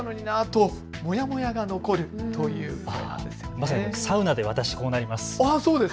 まさに、サウナで私こうなります。